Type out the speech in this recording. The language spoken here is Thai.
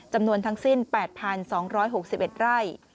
จำนวนทั้งสิ้น๘๒๖๑ไร่